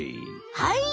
はい。